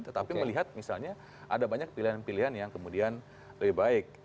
tetapi melihat misalnya ada banyak pilihan pilihan yang kemudian lebih baik